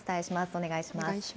お願いします。